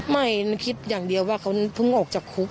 ไม่มันคิดอย่างเดียวว่าเขาเพิ่งออกจากคุก